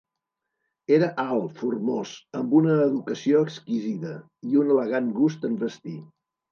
Era alt, formós, amb una educació exquisida, i un elegant gust en vestir.